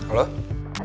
ambil bapak punya ya